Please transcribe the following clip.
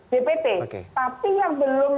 dpt tapi yang belum